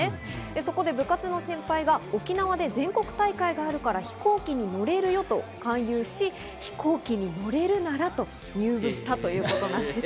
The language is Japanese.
そこで部活の先輩が沖縄で全国大会があるから飛行機に乗れるよと勧誘し、飛行機に乗れるならと入部したということなんです。